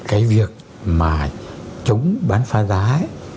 cái việc mà chống bán phá giá ấy